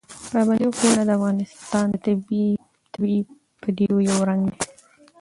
پابندی غرونه د افغانستان د طبیعي پدیدو یو رنګ دی.